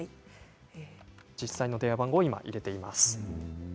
実際の電話番号を今、入れています。